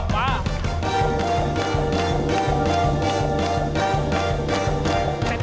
ถูกที่สุด